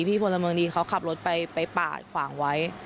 พลเมืองดีเขาขับรถไปปาดขวางไว้